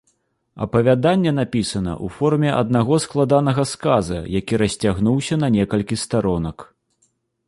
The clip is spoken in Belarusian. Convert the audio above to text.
Апавяданне напісана ў форме аднаго складанага сказа, які расцягнуўся на некалькі старонак.